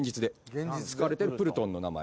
使われてるプルトンの名前